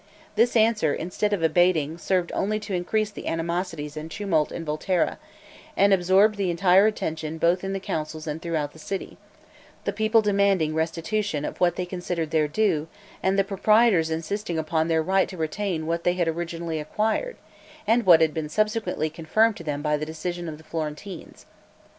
This answer instead of abating, served only to increase the animosities and tumult in Volterra, and absorbed entire attention both in the councils and throughout the city; the people demanding the restitution of what they considered their due, and the proprietors insisting upon their right to retain what they had originally acquired, and what had been subsequently been confirmed to them by the decision of the Florentines.